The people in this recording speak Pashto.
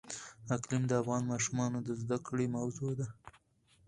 اقلیم د افغان ماشومانو د زده کړې موضوع ده.